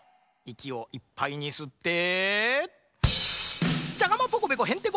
いきをいっぱいにすって。